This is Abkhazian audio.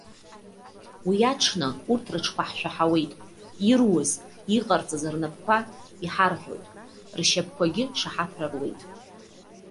Уи аҽны, урҭ рыҿқәа ҳшәаҳауеит, ируыз, иҟарҵаз рнапқәа иҳарҳәоит, ршьапқәагьы шаҳаҭра руеит.